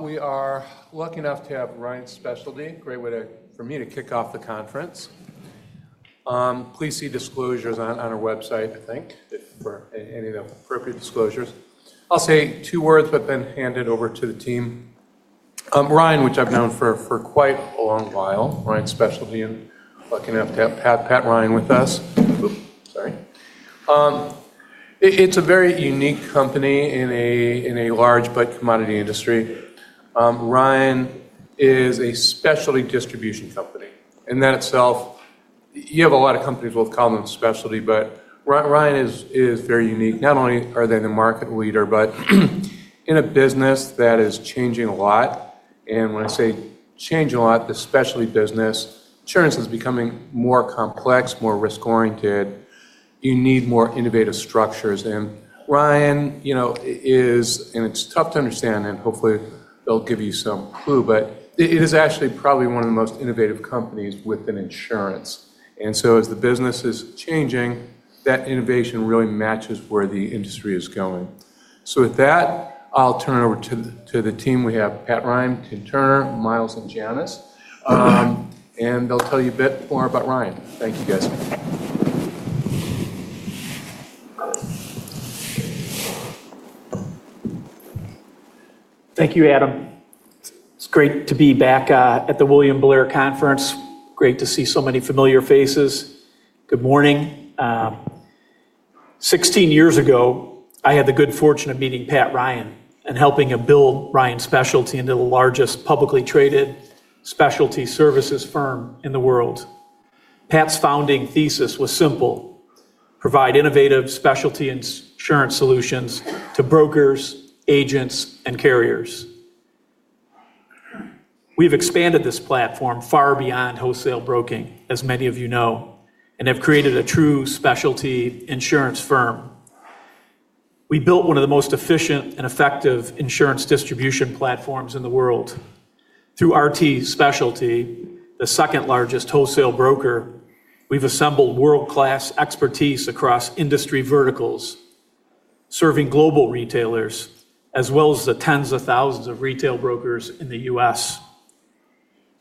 We are lucky enough to have Ryan Specialty. Great way for me to kick off the conference. Please see disclosures on our website, I think, for any of the appropriate disclosures. I'll say two words, then hand it over to the team. Ryan, which I've known for quite a long while, Ryan Specialty and lucky enough to have Pat Ryan with us. Sorry. It's a very unique company in a large, but commodity industry. Ryan is a specialty distribution company. In that itself, you have a lot of companies, we'll call them specialty, but Ryan is very unique. Not only are they the market leader, but in a business that is changing a lot, and when I say changing a lot, the specialty business insurance is becoming more complex, more risk-oriented. You need more innovative structures, and Ryan is, and it's tough to understand, and hopefully they'll give you some clue, but it is actually probably one of the most innovative companies within insurance. As the business is changing, that innovation really matches where the industry is going. With that, I'll turn it over to the team. We have Pat Ryan, Tim Turner, Miles, and Janice. They'll tell you a bit more about Ryan. Thank you, guys. Thank you, Adam. It's great to be back at the William Blair conference. Great to see so many familiar faces. Good morning. 16 years ago, I had the good fortune of meeting Pat Ryan and helping him build Ryan Specialty into the largest publicly traded specialty services firm in the world. Pat's founding thesis was simple: provide innovative specialty insurance solutions to brokers, agents, and carriers. We've expanded this platform far beyond wholesale broking, as many of you know, and have created a true specialty insurance firm. We built one of the most efficient and effective insurance distribution platforms in the world. Through RT Specialty, the second largest wholesale broker, we've assembled world-class expertise across industry verticals, serving global retailers, as well as the tens of thousands of retail brokers in the U.S.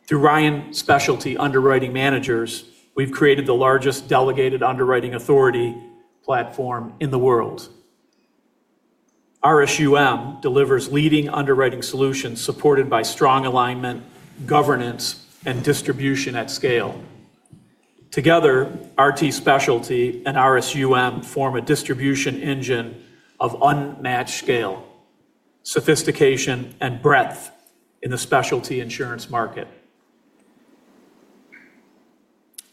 Through Ryan Specialty Underwriting Managers, we've created the largest delegated underwriting authority platform in the world. RSUM delivers leading underwriting solutions supported by strong alignment, governance, and distribution at scale. Together, RT Specialty and RSUM form a distribution engine of unmatched scale, sophistication, and breadth in the specialty insurance market.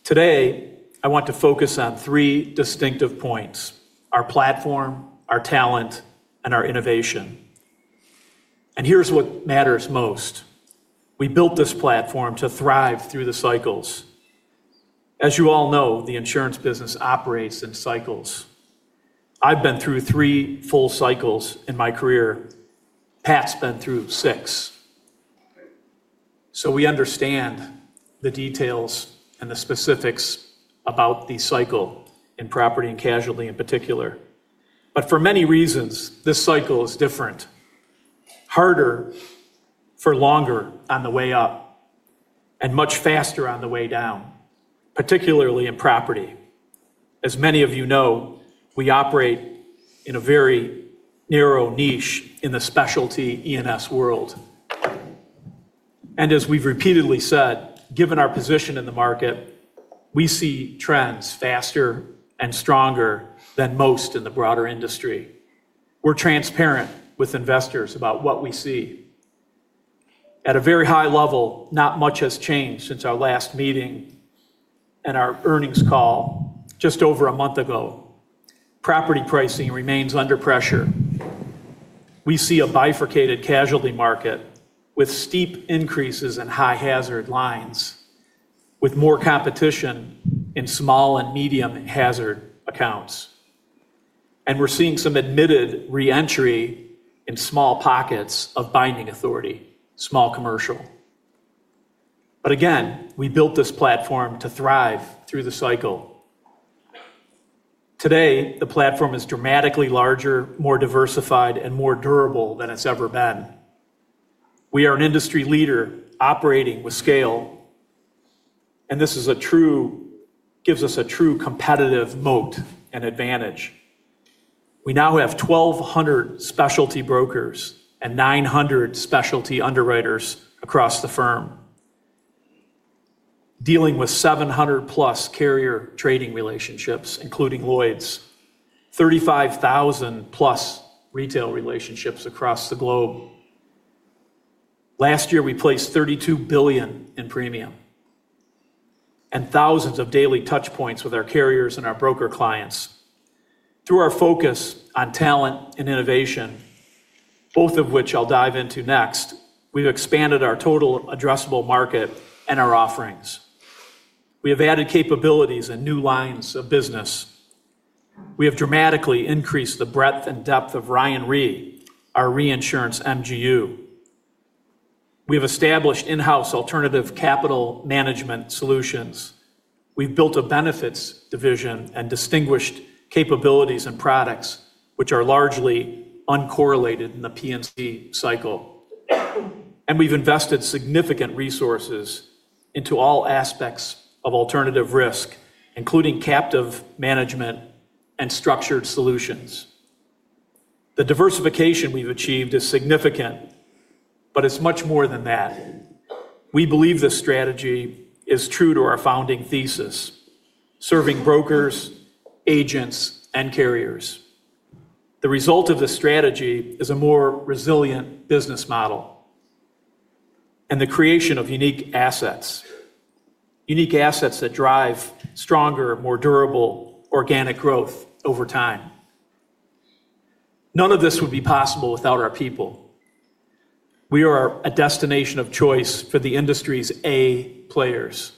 Today, I want to focus on three distinctive points: our platform, our talent, and our innovation. Here's what matters most. We built this platform to thrive through the cycles. As you all know, the insurance business operates in cycles. I've been through three full cycles in my career. Pat's been through six. We understand the details and the specifics about the cycle in property and casualty, in particular. For many reasons, this cycle is different, harder for longer on the way up and much faster on the way down, particularly in property. As many of you know, we operate in a very narrow niche in the specialty E&S world. As we've repeatedly said, given our position in the market, we see trends faster and stronger than most in the broader industry. We're transparent with investors about what we see. At a very high level, not much has changed since our last meeting and our earnings call just over a month ago. Property pricing remains under pressure. We see a bifurcated casualty market with steep increases in high-hazard lines, with more competition in small and medium-hazard accounts. We're seeing some admitted re-entry in small pockets of binding authority, small commercial. Again, we built this platform to thrive through the cycle. Today, the platform is dramatically larger, more diversified, and more durable than it's ever been. We are an industry leader operating with scale, and this gives us a true competitive moat and advantage. We now have 1,200 specialty brokers and 900 specialty underwriters across the firm, dealing with 700+ carrier trading relationships, including Lloyd's, 35,000+ retail relationships across the globe. Last year, we placed $32 billion in premium and thousands of daily touchpoints with our carriers and our broker clients. Through our focus on talent and innovation, both of which I'll dive into next, we've expanded our total addressable market and our offerings. We have added capabilities and new lines of business. We have dramatically increased the breadth and depth of Ryan Re, our reinsurance MGU. We have established in-house alternative capital management solutions. We've built a benefits division and distinguished capabilities and products which are largely uncorrelated in the P&C cycle. We've invested significant resources into all aspects of alternative risk, including captive management and structured solutions. The diversification we've achieved is significant, but it's much more than that. We believe this strategy is true to our founding thesis, serving brokers, agents, and carriers. The result of this strategy is a more resilient business model and the creation of unique assets. Unique assets that drive stronger, more durable, organic growth over time. None of this would be possible without our people. We are a destination of choice for the industry's A players.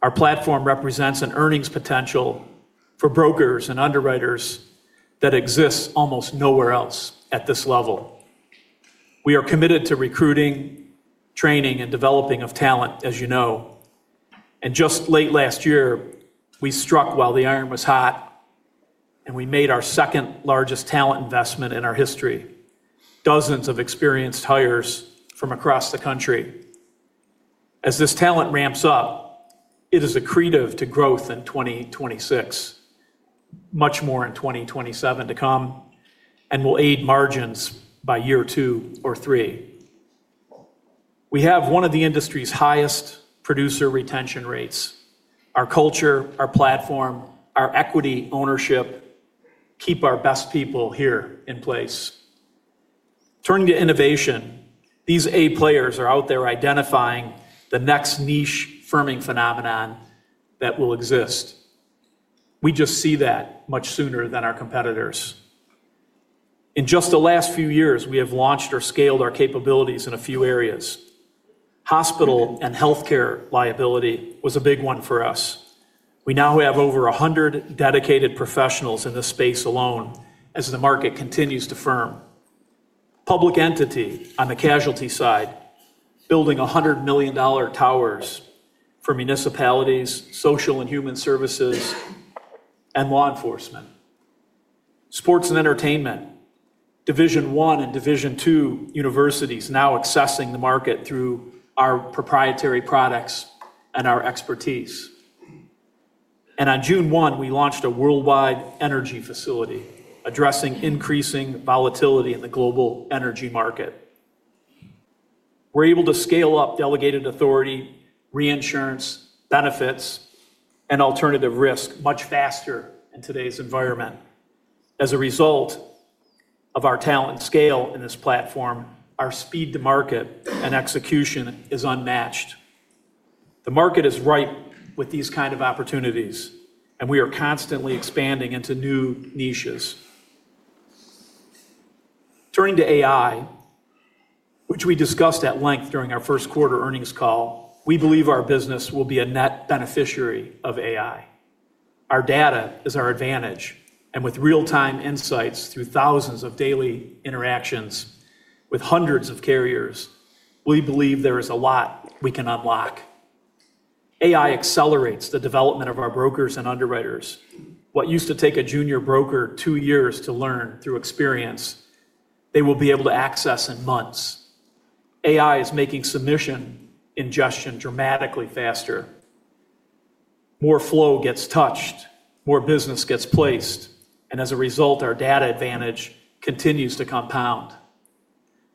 Our platform represents an earnings potential for brokers and underwriters that exists almost nowhere else at this level. We are committed to recruiting, training, and developing of talent, as you know. Just late last year, we struck while the iron was hot, and we made our second-largest talent investment in our history, dozens of experienced hires from across the country. As this talent ramps up, it is accretive to growth in 2026, much more in 2027 to come, and will aid margins by year two or three. We have one of the industry's highest producer retention rates. Our culture, our platform, our equity ownership keep our best people here in place. Turning to innovation, these A players are out there identifying the next niche firming phenomenon that will exist. We just see that much sooner than our competitors. In just the last few years, we have launched or scaled our capabilities in a few areas. Hospital and healthcare liability was a big one for us. We now have over 100 dedicated professionals in this space alone as the market continues to firm. Public entity on the casualty side, building $100 million towers for municipalities, social and human services and law enforcement. Sports and entertainment, Division I and Division II universities now accessing the market through our proprietary products and our expertise. On June 1, we launched a worldwide energy facility addressing increasing volatility in the global energy market. We're able to scale up delegated authority, reinsurance, benefits, and alternative risk much faster in today's environment. As a result of our talent scale in this platform, our speed to market and execution is unmatched. The market is ripe with these kind of opportunities, and we are constantly expanding into new niches. Turning to AI, which we discussed at length during our first quarter earnings call, we believe our business will be a net beneficiary of AI. Our data is our advantage, and with real-time insights through thousands of daily interactions with hundreds of carriers, we believe there is a lot we can unlock. AI accelerates the development of our brokers and underwriters. What used to take a junior broker two years to learn through experience, they will be able to access in months. AI is making submission ingestion dramatically faster. More flow gets touched, more business gets placed, and as a result, our data advantage continues to compound.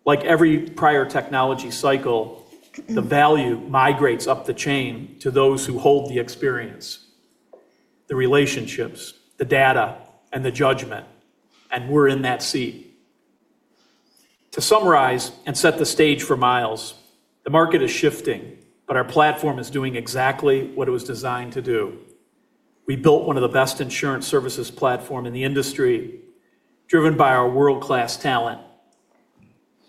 Like every prior technology cycle, the value migrates up the chain to those who hold the experience, the relationships, the data, and the judgment, and we're in that seat. To summarize and set the stage for Miles, the market is shifting, but our platform is doing exactly what it was designed to do. We built one of the best insurance services platform in the industry, driven by our world-class talent.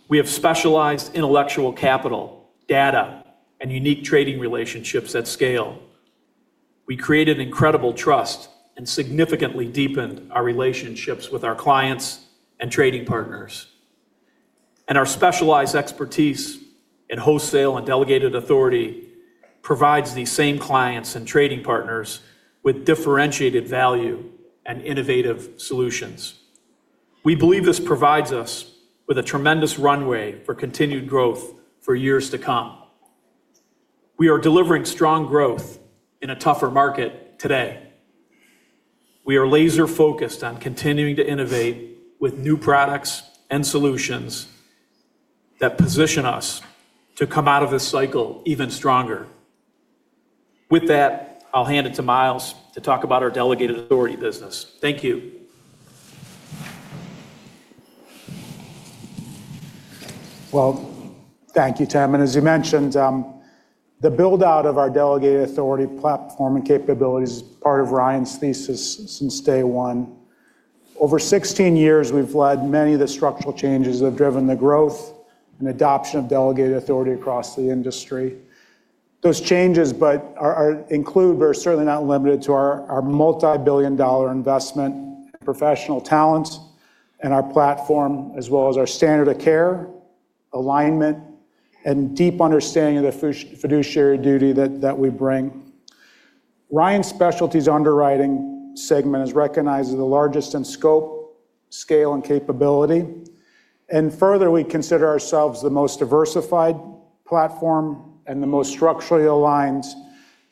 We have specialized intellectual capital, data, and unique trading relationships at scale. We created incredible trust and significantly deepened our relationships with our clients and trading partners. Our specialized expertise in wholesale and delegated authority provides these same clients and trading partners with differentiated value and innovative solutions. We believe this provides us with a tremendous runway for continued growth for years to come. We are delivering strong growth in a tougher market today. We are laser-focused on continuing to innovate with new products and solutions that position us to come out of this cycle even stronger. With that, I'll hand it to Miles to talk about our delegated authority business. Thank you. Well, thank you, Tim. As you mentioned, the build-out of our delegated authority platform and capabilities is part of Ryan's thesis since day one. Over 16 years, we've led many of the structural changes that have driven the growth and adoption of delegated authority across the industry. Those changes include, but are certainly not limited to our multibillion-dollar investment in professional talent and our platform, as well as our standard of care, alignment, and deep understanding of the fiduciary duty that we bring. Ryan Specialty's underwriting segment is recognized as the largest in scope, scale, and capability. Further, we consider ourselves the most diversified platform and the most structurally aligned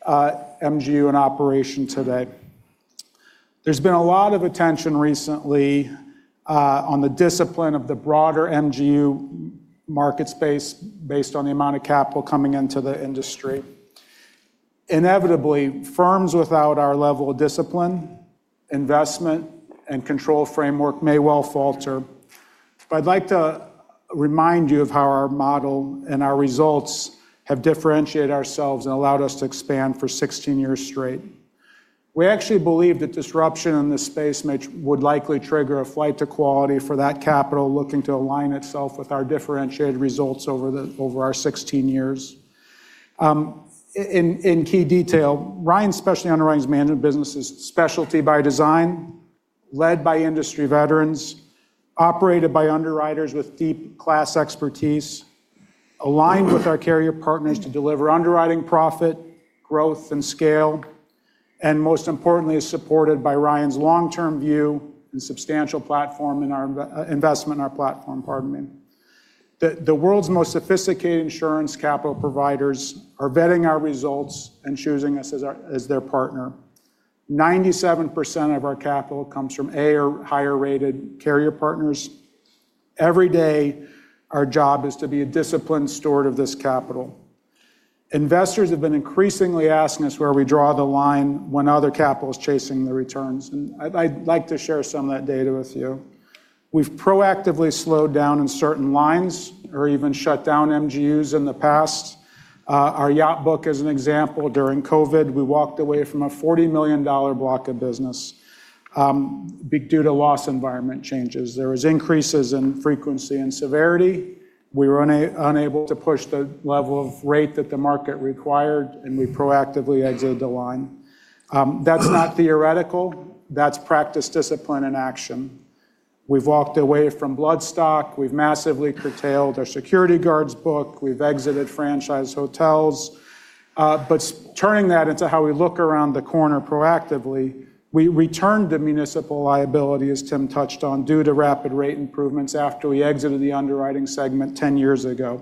MGU in operation today. There's been a lot of attention recently on the discipline of the broader MGU market space based on the amount of capital coming into the industry. Inevitably, firms without our level of discipline, investment, and control framework may well falter. I'd like to remind you of how our model and our results have differentiated ourselves and allowed us to expand for 16 years straight. We actually believe that disruption in this space would likely trigger a flight to quality for that capital looking to align itself with our differentiated results over our 16 years. In key detail, Ryan Specialty Underwriting Managers business is specialty by design, led by industry veterans, operated by underwriters with deep class expertise, aligned with our carrier partners to deliver underwriting profit, growth, and scale, and most importantly, is supported by Ryan's long-term view and substantial investment in our platform, pardon me. The world's most sophisticated insurance capital providers are vetting our results and choosing us as their partner. 97% of our capital comes from A or higher-rated carrier partners. Every day, our job is to be a disciplined steward of this capital. Investors have been increasingly asking us where we draw the line when other capital is chasing the returns, and I'd like to share some of that data with you. We've proactively slowed down in certain lines or even shut down MGUs in the past. Our yacht book as an example, during COVID, we walked away from a $40 million block of business due to loss environment changes. There was increases in frequency and severity. We were unable to push the level of rate that the market required, and we proactively exited the line. That's not theoretical. That's practice discipline in action. We've walked away from bloodstock. We've massively curtailed our security guards book. We've exited franchise hotels. Turning that into how we look around the corner proactively, we returned to municipal liability, as Tim touched on, due to rapid rate improvements after we exited the underwriting segment 10 years ago.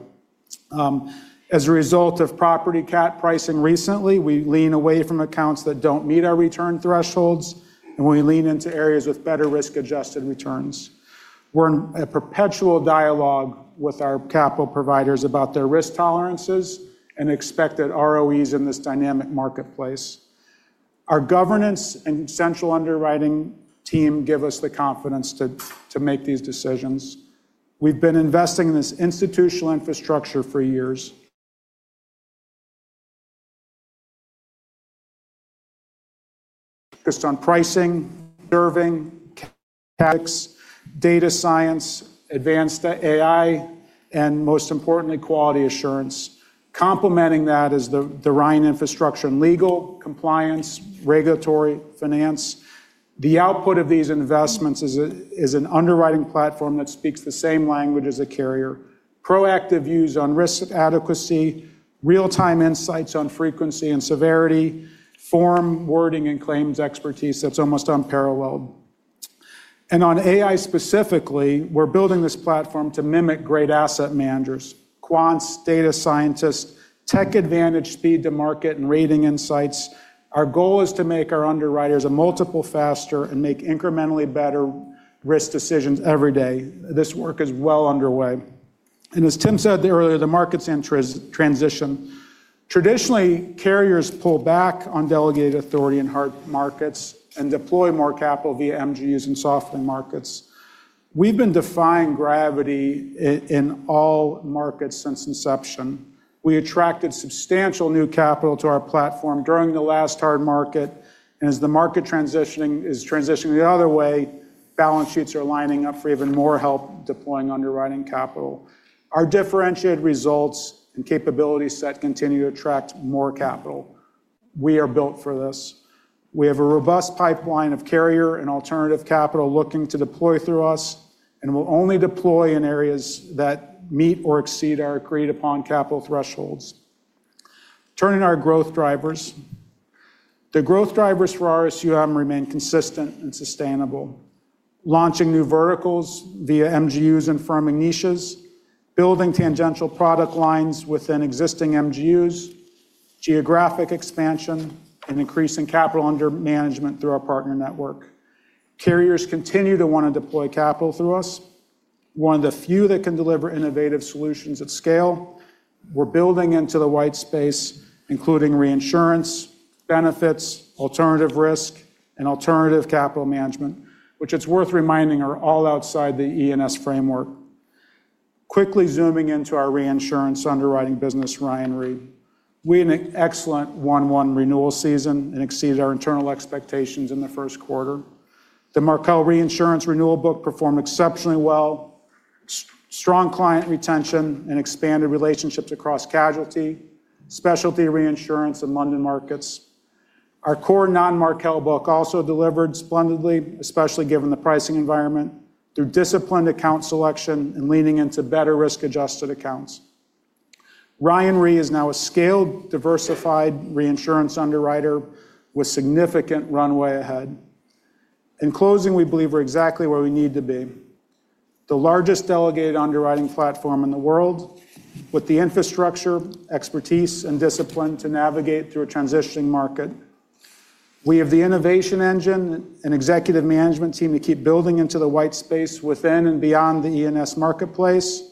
As a result of property cat pricing recently, we lean away from accounts that don't meet our return thresholds, and we lean into areas with better risk-adjusted returns. We're in a perpetual dialogue with our capital providers about their risk tolerances and expected ROEs in this dynamic marketplace. Our governance and central underwriting team give us the confidence to make these decisions. We've been investing in this institutional infrastructure for years based on pricing, serving, tax, data science, advanced AI, and most importantly, quality assurance. Complementing that is the Ryan infrastructure in legal, compliance, regulatory, finance. The output of these investments is an underwriting platform that speaks the same language as a carrier, proactive views on risk adequacy, real-time insights on frequency and severity, form, wording, and claims expertise that's almost unparalleled. On AI specifically, we're building this platform to mimic great asset managers, quants, data scientists, tech advantage, speed to market, and rating insights. Our goal is to make our underwriters a multiple faster and make incrementally better risk decisions every day. This work is well underway. As Tim said earlier, the market's in transition. Traditionally, carriers pull back on delegated authority in hard markets and deploy more capital via MGUs in softer markets. We've been defying gravity in all markets since inception. We attracted substantial new capital to our platform during the last hard market. As the market is transitioning the other way, balance sheets are lining up for even more help deploying underwriting capital. Our differentiated results and capability set continue to attract more capital. We are built for this. We have a robust pipeline of carrier and alternative capital looking to deploy through us, and we'll only deploy in areas that meet or exceed our agreed-upon capital thresholds. Turning to our growth drivers. The growth drivers for our RSUM remain consistent and sustainable. Launching new verticals via MGUs and firming niches, building tangential product lines within existing MGUs, geographic expansion, and increasing capital under management through our partner network. Carriers continue to want to deploy capital through us. We're one of the few that can deliver innovative solutions at scale. We're building into the white space, including reinsurance, benefits, alternative risk, and alternative capital management, which it's worth reminding are all outside the E&S framework. Quickly zooming into our reinsurance underwriting business, Ryan Re. We had an excellent 1/1 renewal season and exceeded our internal expectations in the first quarter. The Markel reinsurance renewal book performed exceptionally well. Strong client retention and expanded relationships across casualty, specialty reinsurance and London markets. Our core non-Markel book also delivered splendidly, especially given the pricing environment through disciplined account selection and leaning into better risk-adjusted accounts. Ryan Re is now a scaled, diversified reinsurance underwriter with significant runway ahead. In closing, we believe we're exactly where we need to be. The largest delegated underwriting platform in the world, with the infrastructure, expertise, and discipline to navigate through a transitioning market. We have the innovation engine and executive management team to keep building into the white space within and beyond the E&S marketplace.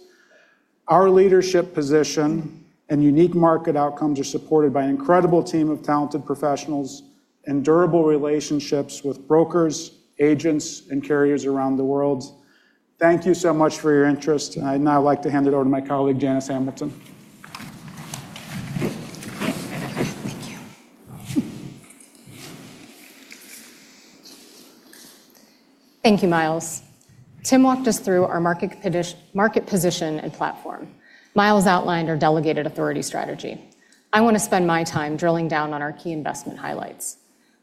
Our leadership position and unique market outcomes are supported by an incredible team of talented professionals and durable relationships with brokers, agents, and carriers around the world. Thank you so much for your interest. I'd now like to hand it over to my colleague, Janice Hamilton. Thank you. Thank you, Miles. Tim walked us through our market position and platform. Miles outlined our delegated authority strategy. I want to spend my time drilling down on our key investment highlights.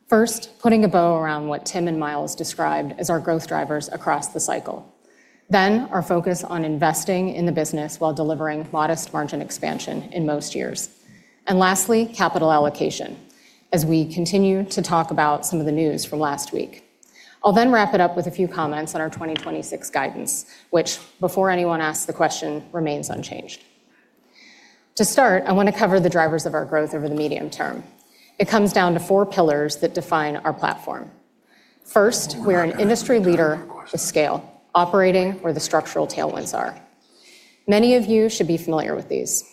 First, putting a bow around what Tim and Miles described as our growth drivers across the cycle. Our focus on investing in the business while delivering modest margin expansion in most years. Lastly, capital allocation, as we continue to talk about some of the news from last week. I'll then wrap it up with a few comments on our 2026 guidance, which, before anyone asks the question, remains unchanged. I want to cover the drivers of our growth over the medium term. It comes down to four pillars that define our platform. First, we're an industry leader with scale, operating where the structural tailwinds are. Many of you should be familiar with these.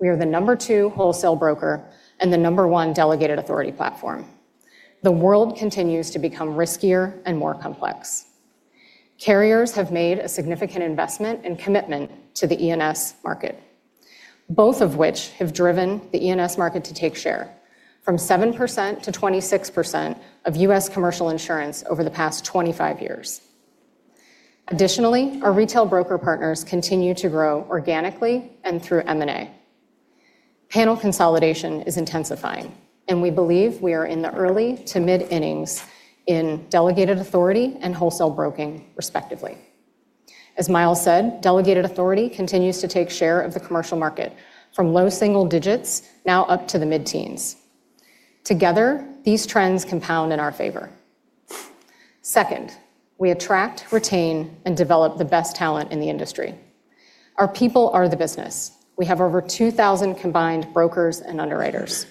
We are the number two wholesale broker and the number one delegated authority platform. The world continues to become riskier and more complex. Carriers have made a significant investment and commitment to the E&S market. Both of which have driven the E&S market to take share from 7% to 26% of U.S. commercial insurance over the past 25 years. Additionally, our retail broker partners continue to grow organically and through M&A. Panel consolidation is intensifying, and we believe we are in the early to mid-innings in delegated authority and wholesale broking, respectively. As Miles said, delegated authority continues to take share of the commercial market from low single digits now up to the mid-teens. Together, these trends compound in our favor. Second, we attract, retain, and develop the best talent in the industry. Our people are the business. We have over 2,000 combined brokers and underwriters.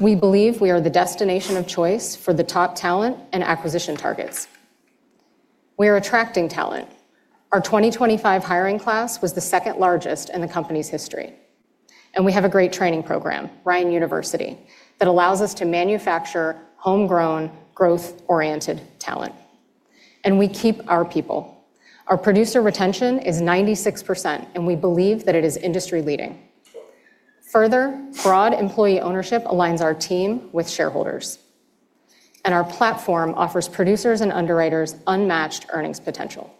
We believe we are the destination of choice for the top talent and acquisition targets. We are attracting talent. Our 2025 hiring class was the second largest in the company's history, and we have a great training program, Ryan University, that allows us to manufacture homegrown, growth-oriented talent. We keep our people. Our producer retention is 96%, and we believe that it is industry-leading. Further, broad employee ownership aligns our team with shareholders. Our platform offers producers and underwriters unmatched earnings potential.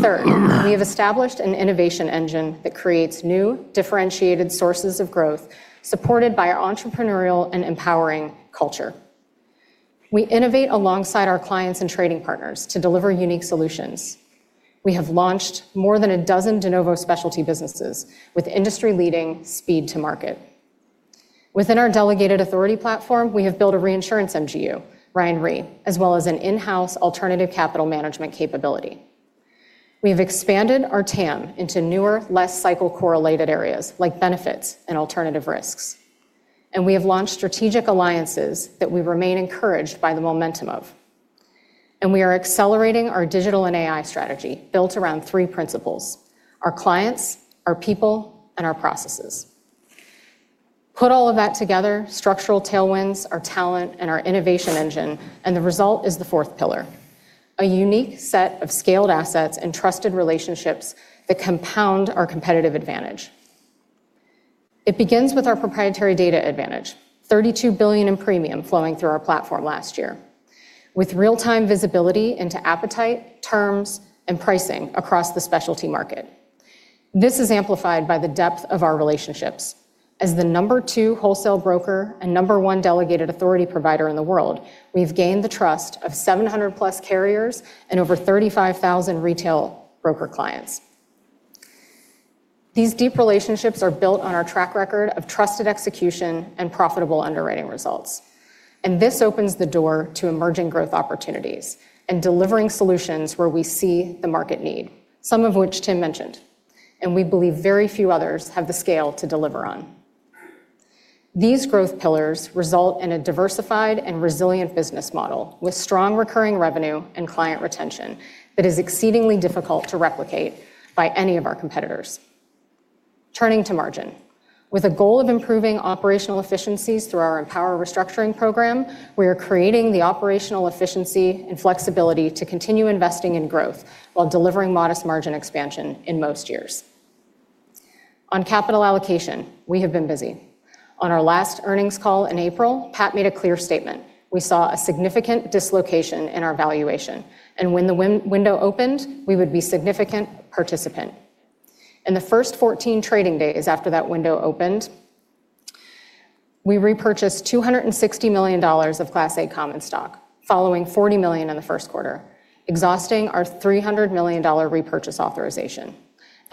Third, we have established an innovation engine that creates new differentiated sources of growth supported by our entrepreneurial and empowering culture. We innovate alongside our clients and trading partners to deliver unique solutions. We have launched more than a dozen de novo specialty businesses with industry-leading speed to market. Within our delegated authority platform, we have built a reinsurance MGU, Ryan Re, as well as an in-house alternative capital management capability. We have expanded our TAM into newer, less cycle-correlated areas like benefits and alternative risks. We have launched strategic alliances that we remain encouraged by the momentum of. We are accelerating our digital and AI strategy built around three principles: our clients, our people, and our processes. Put all of that together, structural tailwinds, our talent, and our innovation engine, the result is the fourth pillar, a unique set of scaled assets and trusted relationships that compound our competitive advantage. It begins with our proprietary data advantage, $32 billion in premium flowing through our platform last year, with real-time visibility into appetite, terms, and pricing across the specialty market. This is amplified by the depth of our relationships. As the number two wholesale broker and number one delegated authority provider in the world, we've gained the trust of 700+ carriers and over 35,000 retail broker clients. These deep relationships are built on our track record of trusted execution and profitable underwriting results. This opens the door to emerging growth opportunities and delivering solutions where we see the market need, some of which Tim mentioned, and we believe very few others have the scale to deliver on. These growth pillars result in a diversified and resilient business model with strong recurring revenue and client retention that is exceedingly difficult to replicate by any of our competitors. Turning to margin. With a goal of improving operational efficiencies through our Empower restructuring program, we are creating the operational efficiency and flexibility to continue investing in growth while delivering modest margin expansion in most years. On capital allocation, we have been busy. On our last earnings call in April, Pat made a clear statement. We saw a significant dislocation in our valuation, and when the window opened, we would be significant participant. In the first 14 trading days after that window opened, we repurchased $260 million of Class A common stock, following $40 million in the first quarter, exhausting our $300 million repurchase authorization.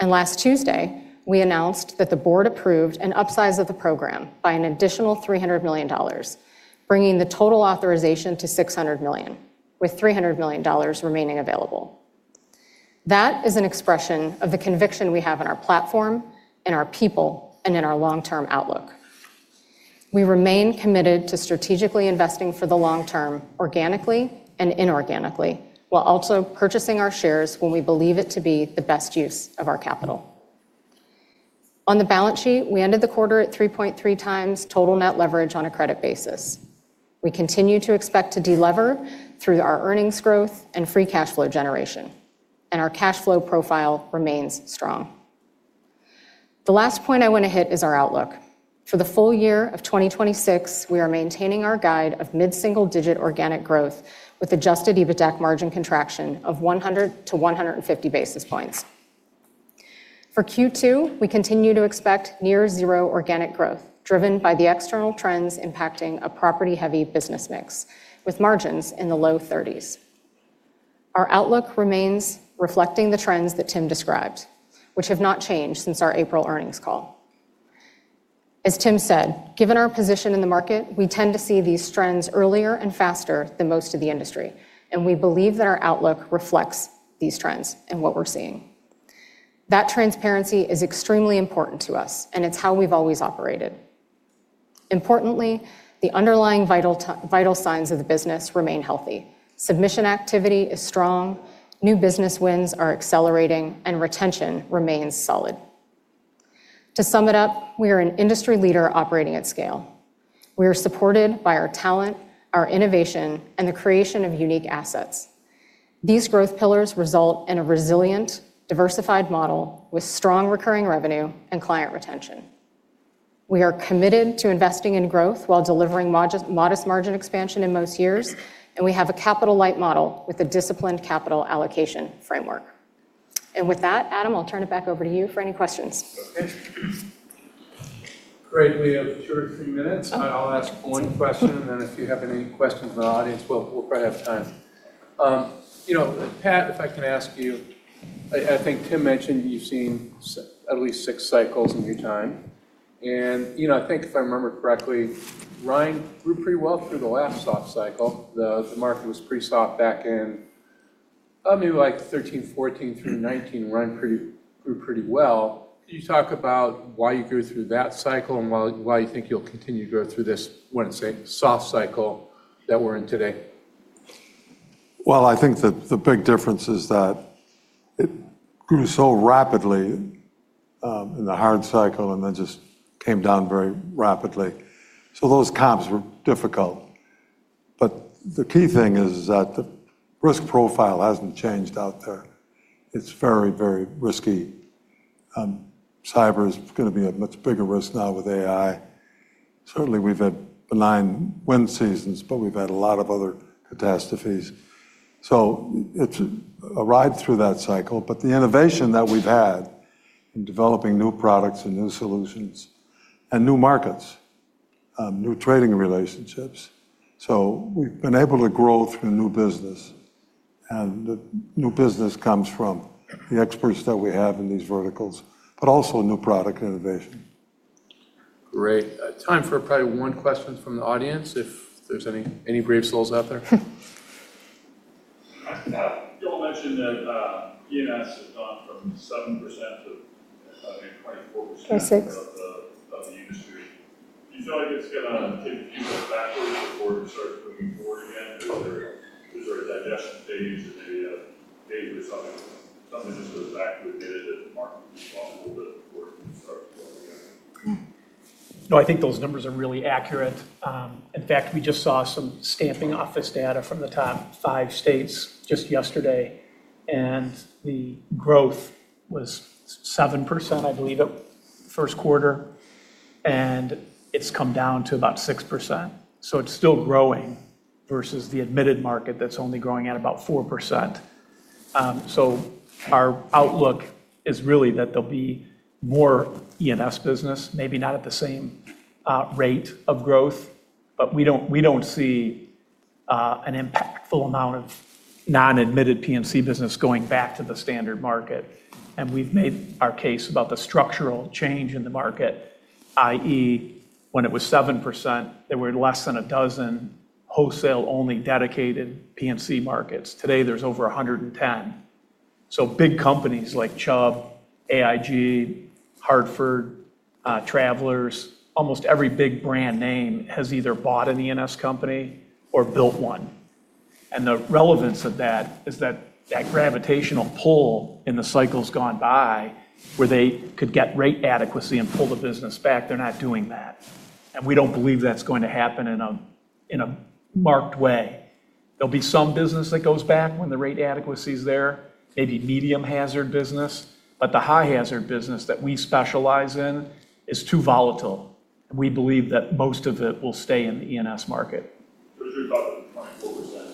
Last Tuesday, we announced that the board approved an upsize of the program by an additional $300 million, bringing the total authorization to $600 million, with $300 million remaining available. That is an expression of the conviction we have in our platform, in our people, and in our long-term outlook. We remain committed to strategically investing for the long term, organically and inorganically, while also purchasing our shares when we believe it to be the best use of our capital. On the balance sheet, we ended the quarter at 3.3x total net leverage on a credit basis. We continue to expect to de-lever through our earnings growth and free cash flow generation, and our cash flow profile remains strong. The last point I want to hit is our outlook. For the full year of 2026, we are maintaining our guide of mid-single-digit organic growth with adjusted EBITDA margin contraction of 100 to 150 basis points. For Q2, we continue to expect near zero organic growth, driven by the external trends impacting a property-heavy business mix, with margins in the low 30s. Our outlook remains reflecting the trends that Tim described, which have not changed since our April earnings call. As Tim said, given our position in the market, we tend to see these trends earlier and faster than most of the industry. We believe that our outlook reflects these trends and what we're seeing. That transparency is extremely important to us. It's how we've always operated. Importantly, the underlying vital signs of the business remain healthy. Submission activity is strong, new business wins are accelerating. Retention remains solid. To sum it up, we are an industry leader operating at scale. We are supported by our talent, our innovation, and the creation of unique assets. These growth pillars result in a resilient, diversified model with strong recurring revenue and client retention. We are committed to investing in growth while delivering modest margin expansion in most years. We have a capital-light model with a disciplined capital allocation framework. With that, Adam, I'll turn it back over to you for any questions. Okay. Great. We have two or three minutes. I'll ask one question. Then if you have any questions in the audience, we'll probably have time. Pat, if I can ask you, I think Tim mentioned you've seen at least six cycles in your time. I think if I remember correctly, Ryan grew pretty well through the last soft cycle. The market was pretty soft back in maybe like 2013, 2014, through 2019. Ryan grew pretty well. Can you talk about why you grew through that cycle and why you think you'll continue to grow through this, I want to say, soft cycle that we're in today? Well, I think the big difference is that it grew so rapidly in the hard cycle and then just came down very rapidly. Those comps were difficult. The key thing is that the risk profile hasn't changed out there. It's very risky. Cyber is going to be a much bigger risk now with AI. Certainly, we've had benign wind seasons, but we've had a lot of other catastrophes. It's a ride through that cycle. The innovation that we've had in developing new products and new solutions and new markets, new trading relationships. We've been able to grow through new business, and the new business comes from the experts that we have in these verticals, but also new product innovation. Great. Time for probably one question from the audience, if there's any brave souls out there. Pat, you all mentioned that E&S has gone from 7% to, I think, 24%. 26%. Of the industry. Do you feel like it's going to take a few years backwards before it starts moving forward again? Is there a digestion phase and maybe a phase where something just goes back a bit as the market cools off a little bit before it can start growing again? No, I think those numbers are really accurate. In fact, we just saw some stamping office data from the top five states just yesterday, and the growth was 7%, I believe, first quarter, and it's come down to about 6%. It's still growing versus the admitted market, that's only growing at about 4%. Our outlook is really that there'll be more E&S business, maybe not at the same rate of growth, but we don't see an impactful amount of non-admitted P&C business going back to the standard market. We've made our case about the structural change in the market, i.e., when it was 7%, there were less than a dozen wholesale-only dedicated P&C markets. Today, there's over 110. Big companies like Chubb, AIG, Hartford, Travelers, almost every big brand name has either bought an E&S company or built one. The relevance of that is that gravitational pull in the cycles gone by where they could get rate adequacy and pull the business back, they're not doing that. We don't believe that's going to happen in a marked way. There'll be some business that goes back when the rate adequacy is there, maybe medium-hazard business. The high-hazard business that we specialize in is too volatile, and we believe that most of it will stay in the E&S market. As you're talking, 24% doesn't look like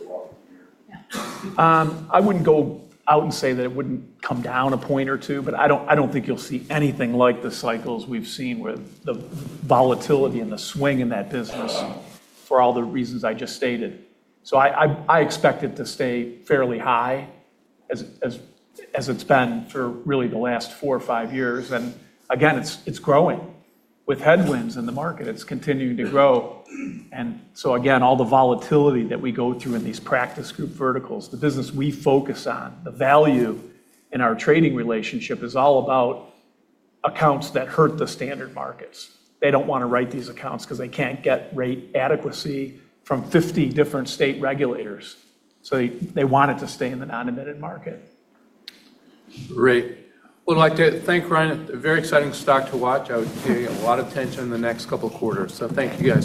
it'll go up from here. I wouldn't go out and say that it wouldn't come down a point or two, but I don't think you'll see anything like the cycles we've seen with the volatility and the swing in that business for all the reasons I just stated. I expect it to stay fairly high as it's been for really the last four or five years. Again, it's growing. With headwinds in the market, it's continuing to grow. Again, all the volatility that we go through in these practice group verticals, the business we focus on, the value in our trading relationship is all about accounts that hurt the standard markets. They don't want to write these accounts because they can't get rate adequacy from 50 different state regulators. They want it to stay in the non-admitted market. Great. Would like to thank Ryan. A very exciting stock to watch. I would pay a lot attention in the next couple of quarters. Thank you, guys.